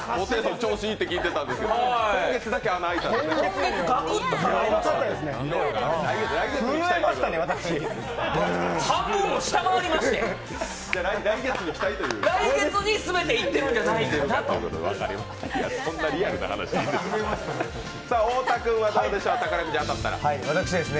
調子いいって聞いてたんですけど先月だけ駄目だったんですね。